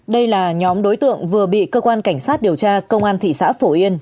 đây là nhóm đối tượng vừa bị cơ quan cảnh sát điều tra công an thị xã phổ yên